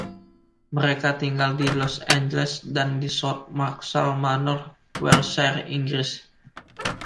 Mereka tinggal di Los Angeles, dan di South Wraxall Manor, Wiltshire, Inggris.